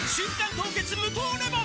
凍結無糖レモン」